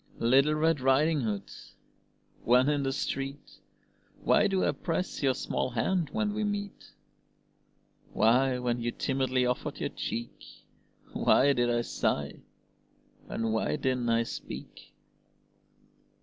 Little Red Riding Hood, when in the street, Why do I press your small hand when we meet? Why, when you timidly offered your cheek, Why did I sigh, and why didn't I speak?